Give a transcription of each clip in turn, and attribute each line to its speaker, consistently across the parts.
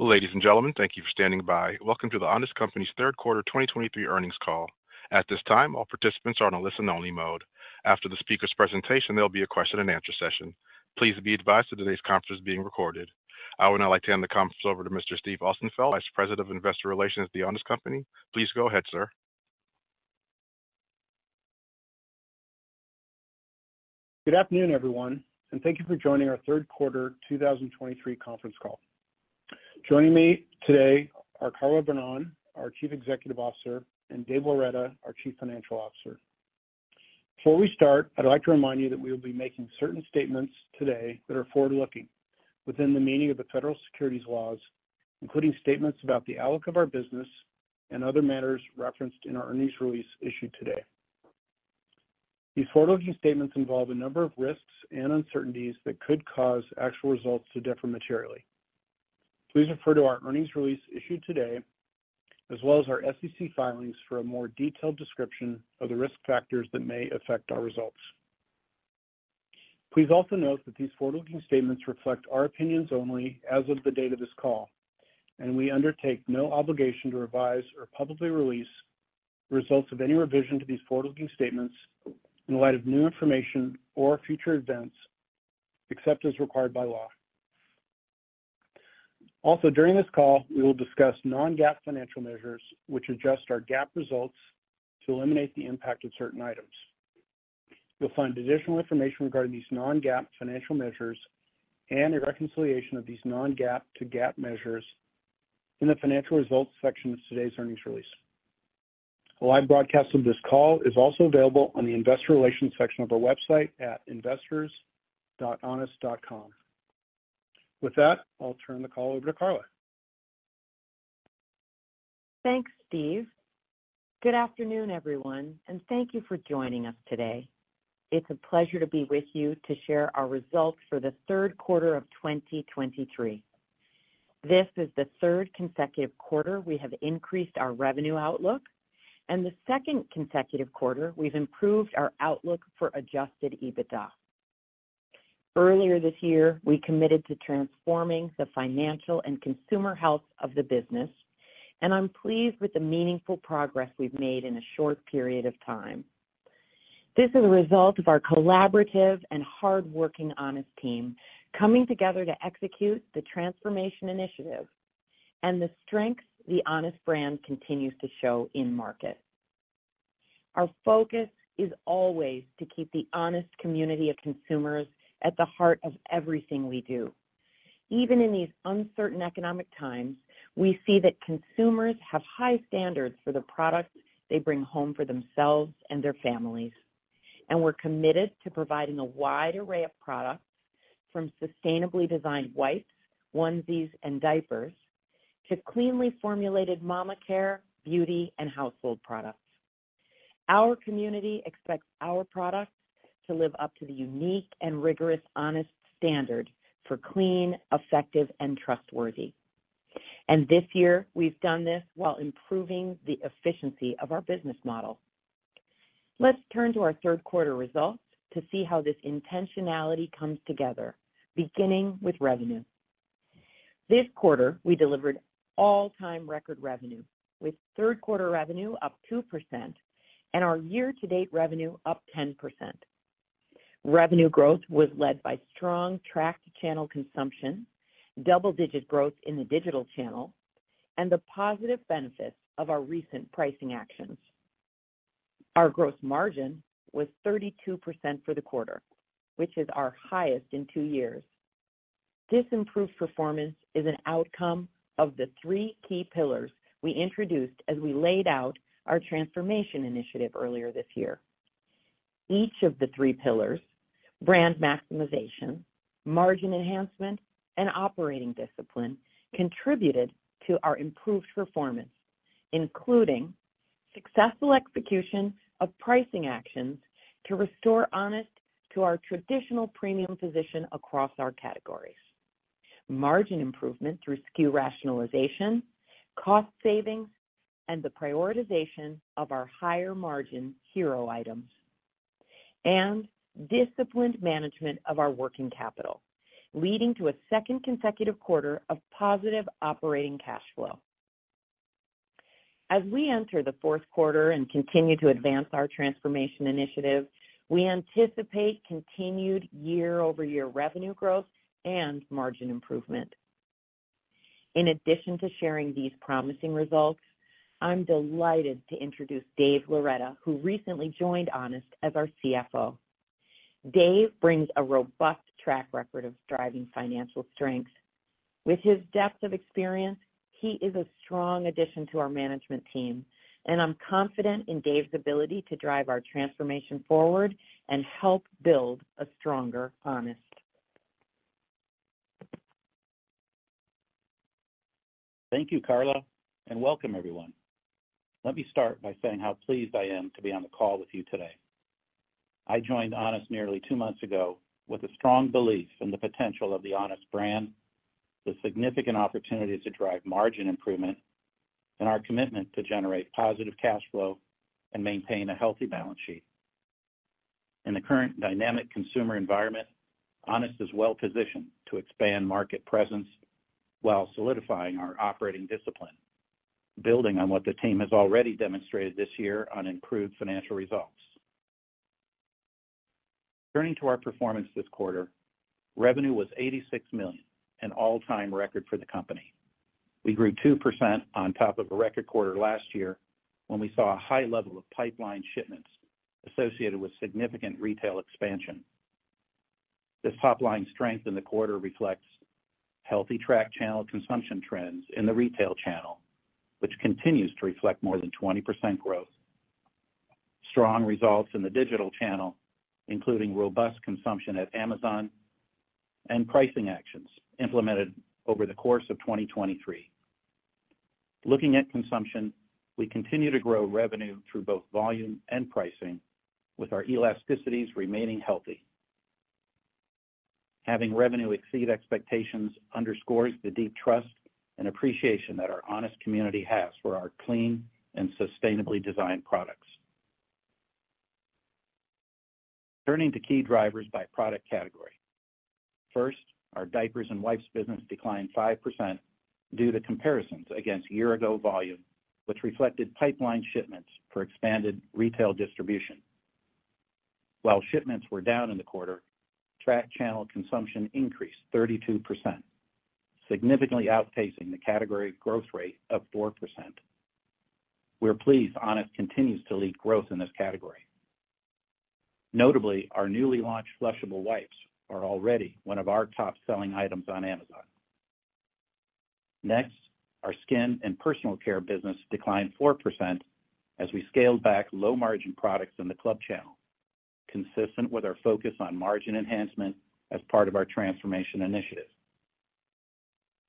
Speaker 1: Ladies and gentlemen, thank you for standing by. Welcome to The Honest Company's third quarter 2023 earnings call. At this time, all participants are on a listen-only mode. After the speaker's presentation, there'll be a question-and-answer session. Please be advised that today's conference is being recorded. I would now like to hand the conference over to Mr. Steve Austenfeld, Vice President of Investor Relations at The Honest Company. Please go ahead, sir.
Speaker 2: Good afternoon, everyone, and thank you for joining our third quarter 2023 conference call. Joining me today are Carla Vernón, our Chief Executive Officer, and Dave Loretta, our Chief Financial Officer. Before we start, I'd like to remind you that we will be making certain statements today that are forward-looking within the meaning of the federal securities laws, including statements about the outlook of our business and other matters referenced in our earnings release issued today. These forward-looking statements involve a number of risks and uncertainties that could cause actual results to differ materially. Please refer to our earnings release issued today, as well as our SEC filings, for a more detailed description of the risk factors that may affect our results. Please also note that these forward-looking statements reflect our opinions only as of the date of this call, and we undertake no obligation to revise or publicly release results of any revision to these forward-looking statements in light of new information or future events, except as required by law. Also, during this call, we will discuss non-GAAP financial measures, which adjust our GAAP results to eliminate the impact of certain items. You'll find additional information regarding these non-GAAP financial measures and a reconciliation of these non-GAAP to GAAP measures in the financial results section of today's earnings release. A live broadcast of this call is also available on the investor relations section of our website at investors.honest.com. With that, I'll turn the call over to Carla.
Speaker 3: Thanks, Steve. Good afternoon, everyone, and thank you for joining us today. It's a pleasure to be with you to share our results for the third quarter of 2023. This is the third consecutive quarter we have increased our revenue outlook and the second consecutive quarter we've improved our outlook for Adjusted EBITDA. Earlier this year, we committed to transforming the financial and consumer health of the business, and I'm pleased with the meaningful progress we've made in a short period of time. This is a result of our collaborative and hardworking Honest team coming together to execute the transformation initiative and the strength the Honest brand continues to show in market. Our focus is always to keep the Honest community of consumers at the heart of everything we do. Even in these uncertain economic times, we see that consumers have high standards for the products they bring home for themselves and their families. We're committed to providing a wide array of products, from sustainably designed wipes, onesies, and diapers to cleanly formulated mama care, beauty, and household products. Our community expects our products to live up to the unique and rigorous, Honest standard for clean, effective, and trustworthy. This year, we've done this while improving the efficiency of our business model. Let's turn to our third quarter results to see how this intentionality comes together, beginning with revenue. This quarter, we delivered all-time record revenue, with third quarter revenue up 2% and our year-to-date revenue up 10%. Revenue growth was led by strong tracked channel consumption, double-digit growth in the digital channel, and the positive benefits of our recent pricing actions. Our gross margin was 32% for the quarter, which is our highest in two years. This improved performance is an outcome of the three key pillars we introduced as we laid out our transformation initiative earlier this year. Each of the three pillars, brand maximization, margin enhancement, and operating discipline, contributed to our improved performance, including successful execution of pricing actions to restore Honest to our traditional premium position across our categories. Margin improvement through SKU rationalization, cost savings, and the prioritization of our higher-margin hero items, and disciplined management of our working capital, leading to a second consecutive quarter of positive operating cash flow. As we enter the fourth quarter and continue to advance our transformation initiative, we anticipate continued year-over-year revenue growth and margin improvement. In addition to sharing these promising results, I'm delighted to introduce Dave Loretta, who recently joined Honest as our CFO. Dave brings a robust track record of driving financial strength. With his depth of experience, he is a strong addition to our management team, and I'm confident in Dave's ability to drive our transformation forward and help build a stronger Honest.
Speaker 4: Thank you, Carla, and welcome, everyone. Let me start by saying how pleased I am to be on the call with you today. I joined Honest nearly two months ago with a strong belief in the potential of the Honest brand, the significant opportunity to drive margin improvement, and our commitment to generate positive cash flow and maintain a healthy balance sheet.... In the current dynamic consumer environment, Honest is well-positioned to expand market presence while solidifying our operating discipline, building on what the team has already demonstrated this year on improved financial results. Turning to our performance this quarter, revenue was $86 million, an all-time record for the company. We grew 2% on top of a record quarter last year, when we saw a high level of pipeline shipments associated with significant retail expansion. This top line strength in the quarter reflects healthy tracked channel consumption trends in the retail channel, which continues to reflect more than 20% growth. Strong results in the digital channel, including robust consumption at Amazon and pricing actions implemented over the course of 2023. Looking at consumption, we continue to grow revenue through both volume and pricing, with our elasticities remaining healthy. Having revenue exceed expectations underscores the deep trust and appreciation that our Honest community has for our clean and sustainably designed products. Turning to key drivers by product category. First, our diapers and wipes business declined 5% due to comparisons against year-ago volume, which reflected pipeline shipments for expanded retail distribution. While shipments were down in the quarter, tracked channel consumption increased 32%, significantly outpacing the category growth rate of 4%. We're pleased Honest continues to lead growth in this category. Notably, our newly launched flushable wipes are already one of our top-selling items on Amazon. Next, our skin and personal care business declined 4% as we scaled back low-margin products in the club channel, consistent with our focus on margin enhancement as part of our transformation initiative.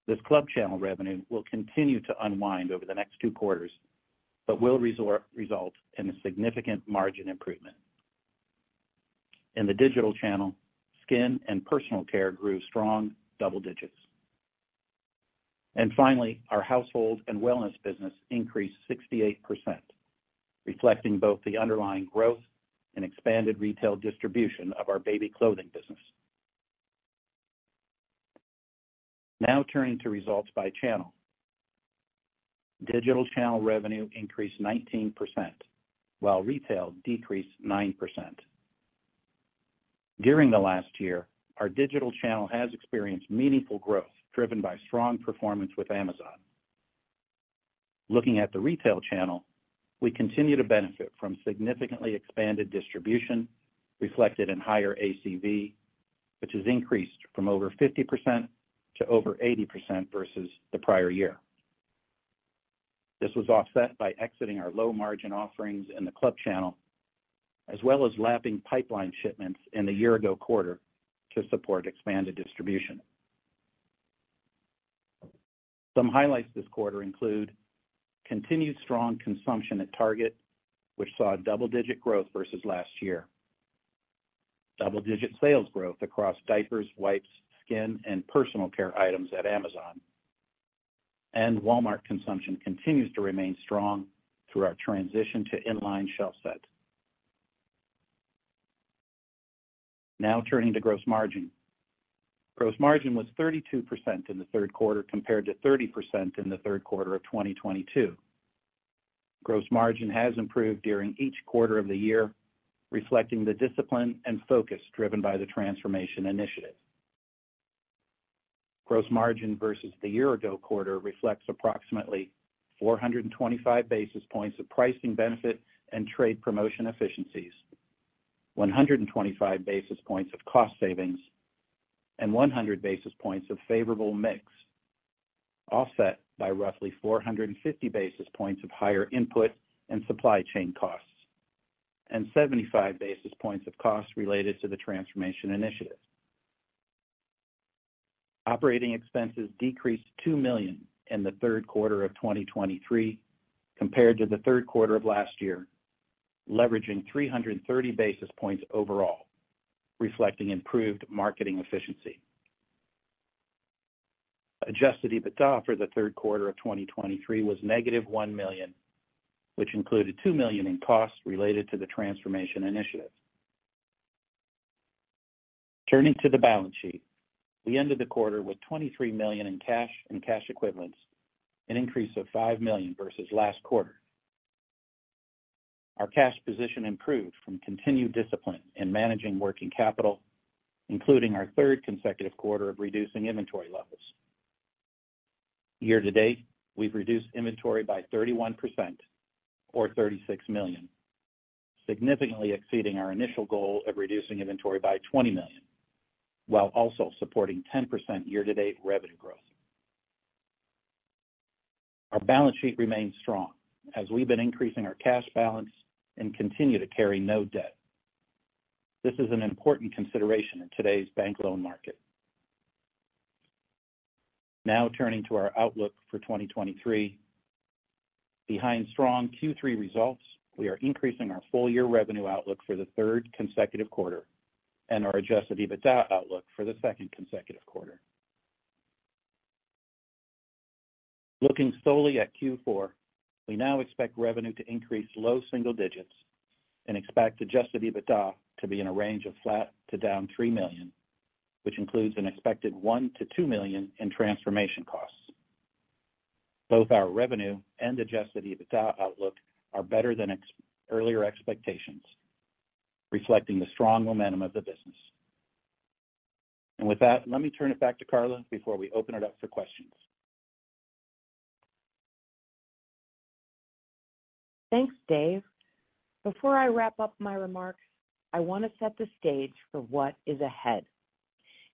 Speaker 4: This club channel revenue will continue to unwind over the next two quarters, but will result in a significant margin improvement. In the digital channel, skin and personal care grew strong double digits. And finally, our household and wellness business increased 68%, reflecting both the underlying growth and expanded retail distribution of our baby clothing business. Now turning to results by channel. Digital channel revenue increased 19%, while retail decreased 9%. During the last year, our digital channel has experienced meaningful growth, driven by strong performance with Amazon. Looking at the retail channel, we continue to benefit from significantly expanded distribution, reflected in higher ACV, which has increased from over 50% to over 80% versus the prior year. This was offset by exiting our low-margin offerings in the club channel, as well as lapping pipeline shipments in the year-ago quarter to support expanded distribution. Some highlights this quarter include continued strong consumption at Target, which saw double-digit growth versus last year. Double-digit sales growth across diapers, wipes, skin, and personal care items at Amazon. And Walmart consumption continues to remain strong through our transition to in-line shelf sets. Now turning to gross margin. Gross margin was 32% in the third quarter, compared to 30% in the third quarter of 2022. Gross margin has improved during each quarter of the year, reflecting the discipline and focus driven by the transformation initiative. Gross margin versus the year-ago quarter reflects approximately 425 basis points of pricing benefit and trade promotion efficiencies, 125 basis points of cost savings, and 100 basis points of favorable mix, offset by roughly 450 basis points of higher input and supply chain costs, and 75 basis points of costs related to the transformation initiative. Operating expenses decreased $2 million in the third quarter of 2023 compared to the third quarter of last year, leveraging 330 basis points overall, reflecting improved marketing efficiency. Adjusted EBITDA for the third quarter of 2023 was -$1 million, which included $2 million in costs related to the transformation initiative. Turning to the balance sheet. We ended the quarter with $23 million in cash and cash equivalents, an increase of $5 million versus last quarter. Our cash position improved from continued discipline in managing working capital, including our third consecutive quarter of reducing inventory levels. Year to date, we've reduced inventory by 31%, or $36 million, significantly exceeding our initial goal of reducing inventory by $20 million, while also supporting 10% year-to-date revenue growth. Our balance sheet remains strong as we've been increasing our cash balance and continue to carry no debt. This is an important consideration in today's bank loan market. Now, turning to our outlook for 2023. Behind strong Q3 results, we are increasing our full-year revenue outlook for the third consecutive quarter and our Adjusted EBITDA outlook for the second consecutive quarter.... Looking solely at Q4, we now expect revenue to increase low single digits and expect Adjusted EBITDA to be in a range of flat to down $3 million, which includes an expected $1 million-$2 million in transformation costs. Both our revenue and Adjusted EBITDA outlook are better than earlier expectations, reflecting the strong momentum of the business. And with that, let me turn it back to Carla before we open it up for questions.
Speaker 3: Thanks, Dave. Before I wrap up my remarks, I want to set the stage for what is ahead.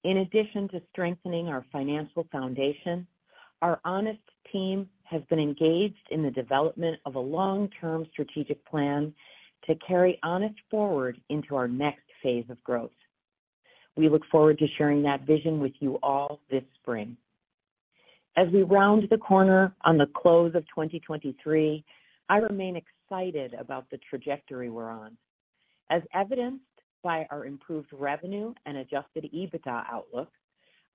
Speaker 3: In addition to strengthening our financial foundation, our Honest team has been engaged in the development of a long-term strategic plan to carry Honest forward into our next phase of growth. We look forward to sharing that vision with you all this spring. As we round the corner on the close of 2023, I remain excited about the trajectory we're on. As evidenced by our improved revenue and Adjusted EBITDA outlook,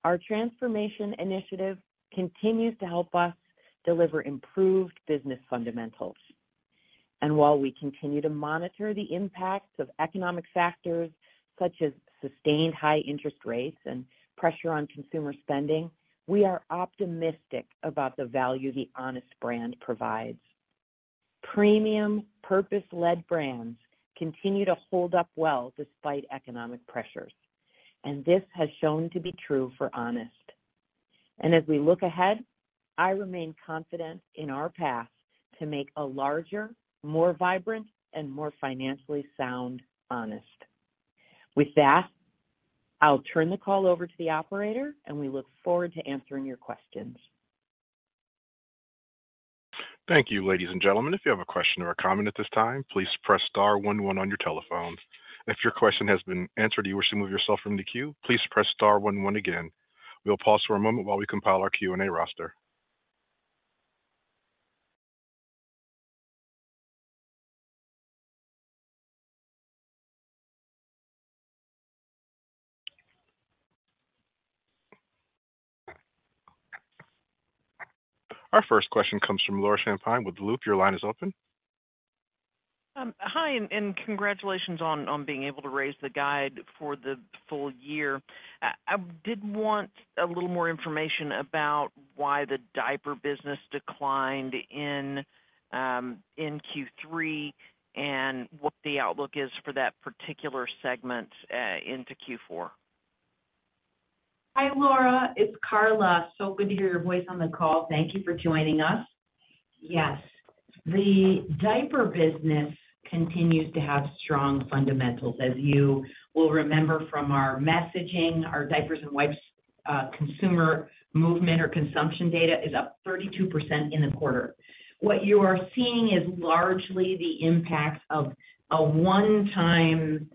Speaker 3: our transformation initiative continues to help us deliver improved business fundamentals. And while we continue to monitor the impacts of economic factors, such as sustained high interest rates and pressure on consumer spending, we are optimistic about the value the Honest brand provides. Premium, purpose-led brands continue to hold up well despite economic pressures, and this has shown to be true for Honest. As we look ahead, I remain confident in our path to make a larger, more vibrant, and more financially sound Honest. With that, I'll turn the call over to the operator, and we look forward to answering your questions.
Speaker 1: Thank you, ladies and gentlemen. If you have a question or a comment at this time, please press star one, one on your telephones. If your question has been answered, and you wish to move yourself from the queue, please press star one, one again. We'll pause for a moment while we compile our Q&A roster. Our first question comes from Laura Champine with Loop. Your line is open.
Speaker 5: Hi, and congratulations on being able to raise the guide for the full year. I did want a little more information about why the diaper business declined in Q3, and what the outlook is for that particular segment into Q4.
Speaker 3: Hi, Laura, it's Carla. So good to hear your voice on the call. Thank you for joining us. Yes, the diaper business continues to have strong fundamentals. As you will remember from our messaging, our diapers and wipes, consumer movement or consumption data is up 32% in the quarter. What you are seeing is largely the impact of a one-time,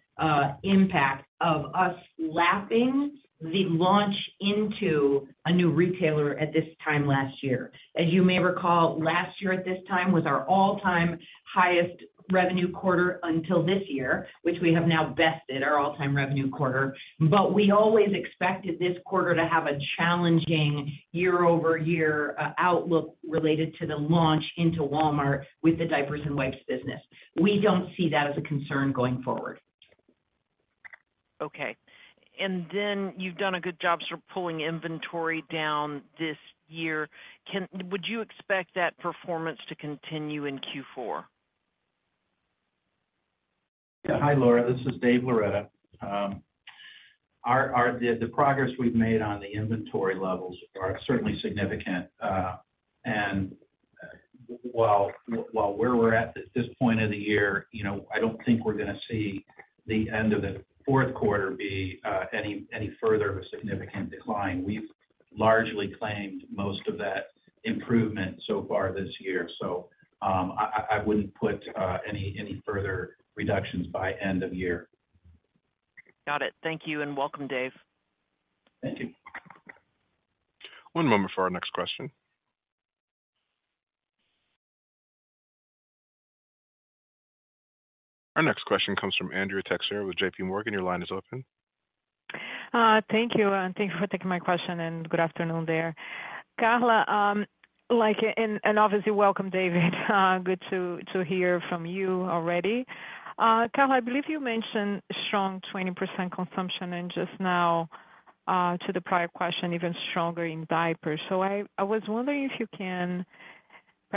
Speaker 3: impact of us lapping the launch into a new retailer at this time last year. As you may recall, last year at this time, was our all-time highest revenue quarter until this year, which we have now bested our all-time revenue quarter. But we always expected this quarter to have a challenging year-over-year outlook related to the launch into Walmart with the diapers and wipes business. We don't see that as a concern going forward.
Speaker 5: Okay. And then you've done a good job sort of pulling inventory down this year. Would you expect that performance to continue in Q4?
Speaker 4: Hi, Laura. This is Dave Loretta. The progress we've made on the inventory levels are certainly significant. While we're at this point of the year, you know, I don't think we're gonna see the end of the fourth quarter be any further of a significant decline. We've largely claimed most of that improvement so far this year, so I wouldn't put any further reductions by end of year.
Speaker 5: Got it. Thank you, and welcome, Dave.
Speaker 4: Thank you.
Speaker 1: One moment for our next question. Our next question comes from Andrea Teixeira with J.P. Morgan. Your line is open.
Speaker 6: Thank you, and thank you for taking my question, and good afternoon there. Carla, like, and obviously, welcome, Dave. Good to hear from you already. Carla, I believe you mentioned strong 20% consumption and just now to the prior question, even stronger in diapers. So I was wondering if you can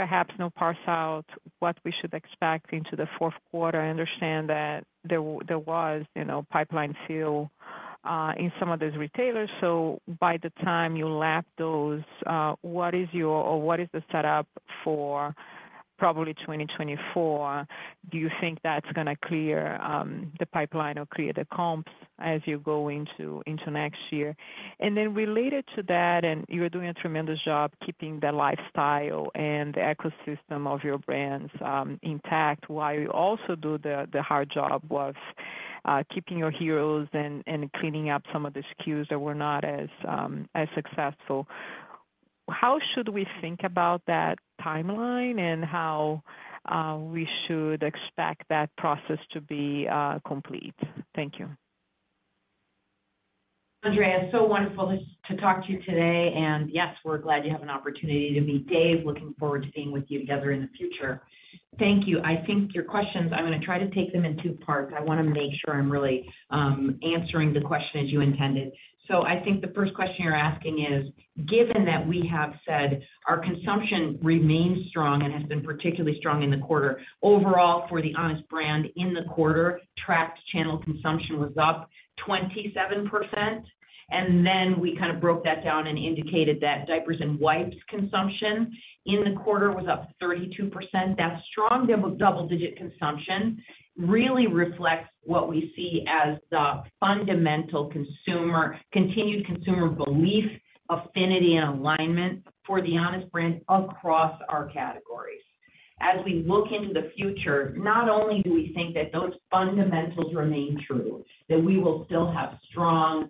Speaker 6: perhaps, you know, parse out what we should expect into the fourth quarter. I understand that there was, you know, pipeline fill in some of those retailers, so by the time you lap those, what is your or what is the setup for probably 2024? Do you think that's gonna clear the pipeline or clear the comps as you go into next year? And then related to that, and you are doing a tremendous job keeping the lifestyle and the ecosystem of your brands intact, while you also do the hard job of keeping your heroes and cleaning up some of the SKUs that were not as successful. How should we think about that timeline, and how we should expect that process to be complete? Thank you....
Speaker 3: Andrea, it's so wonderful to talk to you today. Yes, we're glad you have an opportunity to meet Dave. Looking forward to being with you together in the future. Thank you. I think your questions, I'm gonna try to take them in two parts. I wanna make sure I'm really answering the question as you intended. So I think the first question you're asking is, given that we have said our consumption remains strong and has been particularly strong in the quarter, overall, for the Honest brand in the quarter, tracked channel consumption was up 27%, and then we kind of broke that down and indicated that diapers and wipes consumption in the quarter was up 32%. That strong double-digit consumption really reflects what we see as the fundamental consumer continued consumer belief, affinity, and alignment for the Honest brand across our categories. As we look into the future, not only do we think that those fundamentals remain true, that we will still have strong,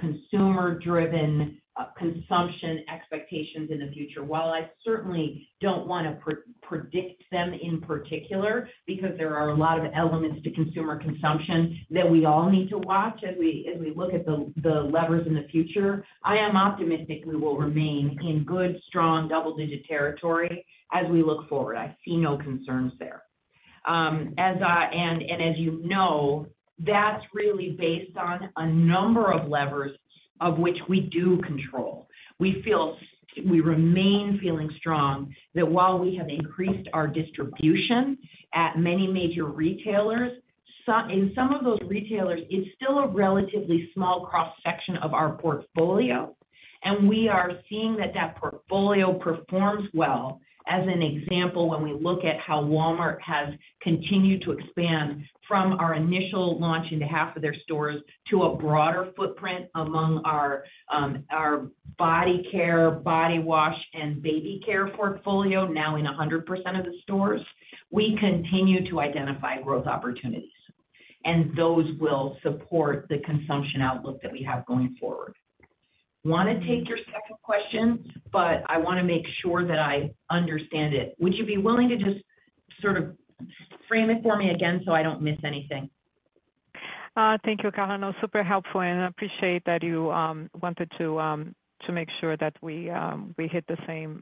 Speaker 3: consumer-driven, consumption expectations in the future. While I certainly don't wanna pre-predict them in particular, because there are a lot of elements to consumer consumption that we all need to watch as we, as we look at the, the levers in the future, I am optimistic we will remain in good, strong, double-digit territory as we look forward. I see no concerns there. And as you know, that's really based on a number of levers of which we do control. We feel we remain feeling strong, that while we have increased our distribution at many major retailers, so in some of those retailers, it's still a relatively small cross-section of our portfolio, and we are seeing that that portfolio performs well. As an example, when we look at how Walmart has continued to expand from our initial launch into half of their stores to a broader footprint among our, our body care, body wash, and baby care portfolio, now in 100% of the stores, we continue to identify growth opportunities, and those will support the consumption outlook that we have going forward. Wanna take your second question, but I wanna make sure that I understand it. Would you be willing to just sort of frame it for me again, so I don't miss anything?
Speaker 6: Thank you, Carla. No, super helpful, and I appreciate that you wanted to make sure that we hit the same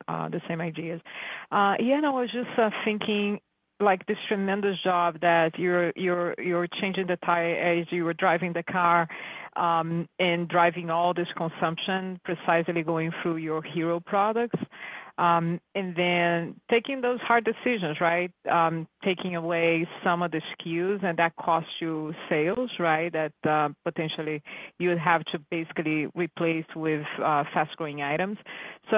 Speaker 6: ideas. Yeah, and I was just thinking, like, this tremendous job that you're changing the tire as you were driving the car, and driving all this consumption precisely going through your hero products. And then taking those hard decisions, right? Taking away some of the SKUs, and that costs you sales, right? That potentially you would have to basically replace with fast-growing items. So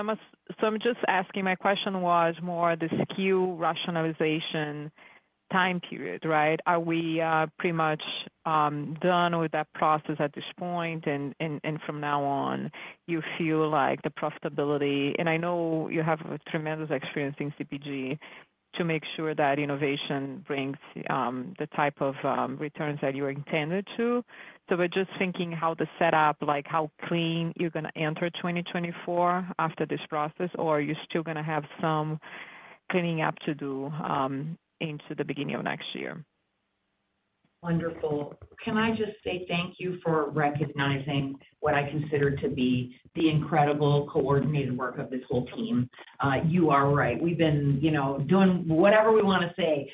Speaker 6: I'm just asking, my question was more the SKU rationalization time period, right? Are we pretty much done with that process at this point, and from now on, you feel like the profitability... I know you have a tremendous experience in CPG to make sure that innovation brings the type of returns that you're intended to. We're just thinking how the setup, like, how clean you're gonna enter 2024 after this process, or are you still gonna have some cleaning up to do into the beginning of next year?
Speaker 3: Wonderful. Can I just say thank you for recognizing what I consider to be the incredible coordinated work of this whole team. You are right. We've been, you know, doing whatever we wanna say,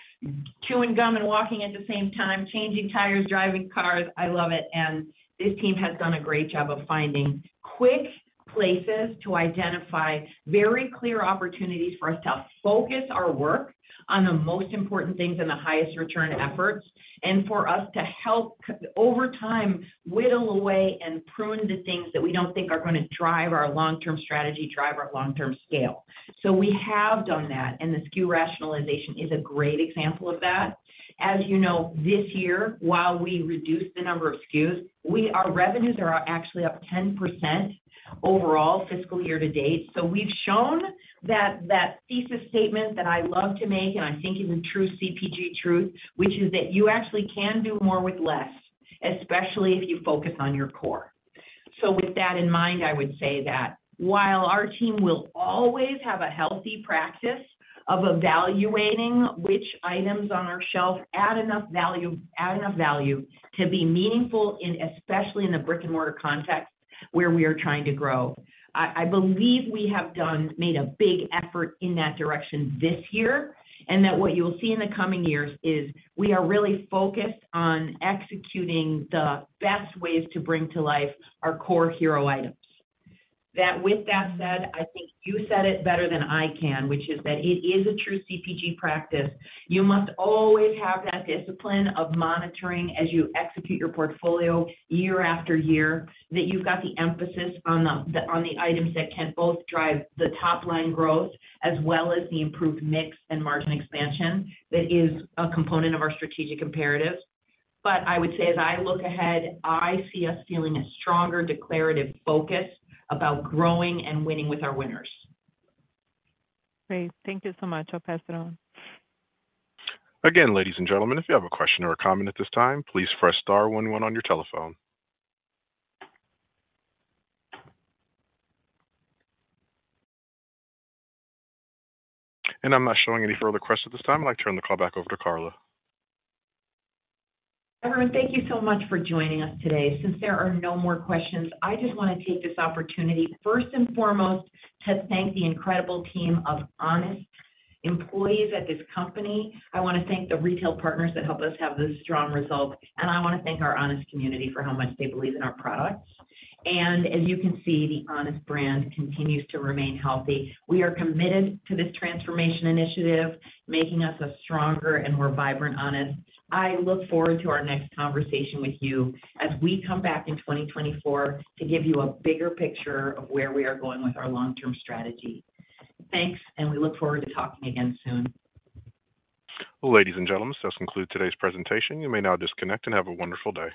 Speaker 3: chewing gum and walking at the same time, changing tires, driving cars. I love it, and this team has done a great job of finding quick places to identify very clear opportunities for us to focus our work on the most important things and the highest return efforts, and for us to help, over time, whittle away and prune the things that we don't think are gonna drive our long-term strategy, drive our long-term scale. So we have done that, and the SKU rationalization is a great example of that. As you know, this year, while we reduced the number of SKUs, we, our revenues are actually up 10% overall, fiscal year-to-date. So we've shown that that thesis statement that I love to make, and I think is a true CPG truth, which is that you actually can do more with less, especially if you focus on your core. So with that in mind, I would say that while our team will always have a healthy practice of evaluating which items on our shelf add enough value, add enough value to be meaningful in, especially in the brick-and-mortar context, where we are trying to grow. I, I believe we have made a big effort in that direction this year, and that what you will see in the coming years is we are really focused on executing the best ways to bring to life our core hero items. That, with that said, I think you said it better than I can, which is that it is a true CPG practice. You must always have that discipline of monitoring as you execute your portfolio year-after-year, that you've got the emphasis on the items that can both drive the top-line growth, as well as the improved mix and margin expansion that is a component of our strategic imperatives. But I would say as I look ahead, I see us feeling a stronger, declarative focus about growing and winning with our winners.
Speaker 6: Great. Thank you so much. I'll pass it on.
Speaker 1: Again, ladies and gentlemen, if you have a question or a comment at this time, please press star one one on your telephone. I'm not showing any further questions at this time. I'd like to turn the call back over to Carla.
Speaker 3: Everyone, thank you so much for joining us today. Since there are no more questions, I just wanna take this opportunity, first and foremost, to thank the incredible team of Honest employees at this company. I wanna thank the retail partners that helped us have those strong results, and I wanna thank our Honest community for how much they believe in our products. As you can see, the Honest brand continues to remain healthy. We are committed to this transformation initiative, making us a stronger and more vibrant Honest. I look forward to our next conversation with you as we come back in 2024 to give you a bigger picture of where we are going with our long-term strategy. Thanks, and we look forward to talking again soon.
Speaker 1: Ladies and gentlemen, this concludes today's presentation. You may now disconnect and have a wonderful day.